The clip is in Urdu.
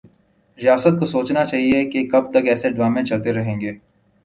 ریاست کو سوچنا چاہیے کہ کب تک ایسے ڈرامے چلتے رہیں گے